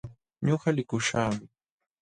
Ñuqa likuśhaqmi.